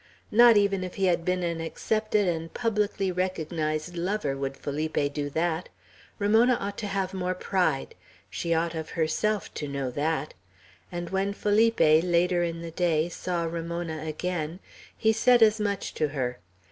Not even if he had been an accepted and publicly recognized lover, would Felipe do that! Ramona ought to have more pride. She ought of herself to know that. And when Felipe, later in the day, saw Ramona again, he said as much to her.